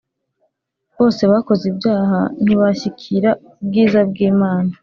Bose bakoze ibyaha ntibashyikira ubwiza bw'Imana